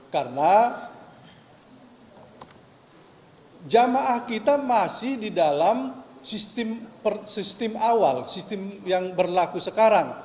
karena jamaah kita masih di dalam sistem awal sistem yang berlaku sekarang